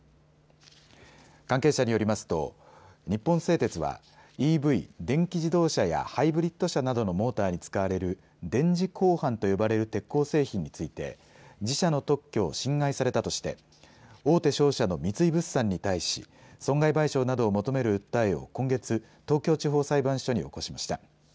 関係者によりますと日本製鉄はＥＶ・電気自動車やハイブリッド車などのモーターに使われる電磁鋼板と呼ばれる鉄鋼製品について自社の特許を侵害されたとして大手商社の三井物産に対し損害賠償などを求める訴えを今月、東京地方裁判所に起こしました。